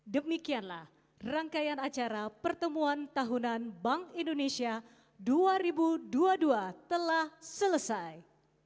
demikianlah rangkaian acara pertemuan tahunan bank indonesia dua ribu dua puluh dua telah selesai